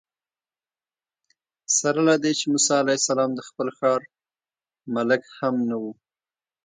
سره له دې چې موسی علیه السلام د خپل ښار ملک هم نه و.